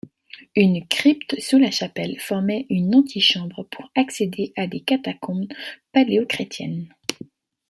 Une crypte sous la chapelle formait une antichambre pour accéder à des catacombes paléochrétiennes.